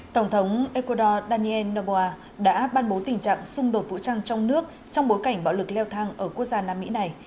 tổng thống ecuador daniel noboa đã ban bố tình trạng xung đột vũ trang trong nước trong bối cảnh bạo lực leo thang ở quốc gia nam mỹ này